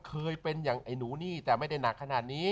เคยเป็นอย่างไอ้หนูนี่แต่ไม่ได้หนักขนาดนี้